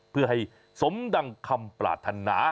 เพื่อให้สมดังคำปรารถนา